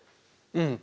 うん。